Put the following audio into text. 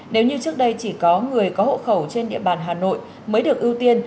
nếu như trước đây chỉ có người có hộ khẩu trên địa bàn hà nội mới được ưu tiên